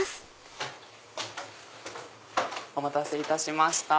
お待たせいたしました。